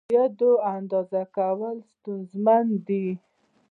عوایدو اندازه کول ستونزمن دي.